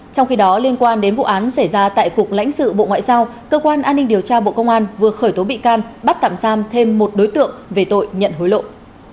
trong khi đó liên quan đến vụ án xảy ra tại cục lãnh sự bộ ngoại giao cơ quan an ninh điều tra bộ công an vừa khởi tố bị can bắt tạm giam thêm một đối tượng về tội nhận hối lộ